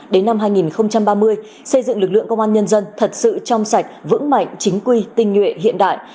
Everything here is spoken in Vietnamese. đến năm hai nghìn ba mươi xây dựng lực lượng công an nhân dân thật sự trong sạch vững mạnh chính quy tinh nhuệ hiện đại